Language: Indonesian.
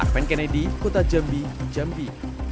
penken edi kota jambi jambi